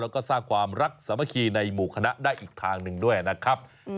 แล้วก็สร้างความรักสามัคคีในหมู่คณะได้อีกทางหนึ่งด้วยนะครับ